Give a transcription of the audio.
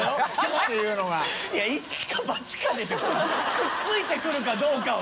くっついてくるかどうかは。